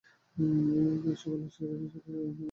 তবে সকালের সিগারেটটা ছাড়া যাচ্ছে না।